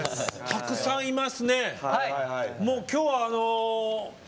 たくさんいますね。